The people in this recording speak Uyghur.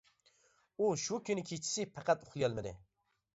ئۇ شۇ كۈنى كېچىسى پەقەت ئۇخلىيالمىدى.